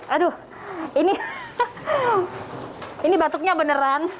aduh ini batuknya beneran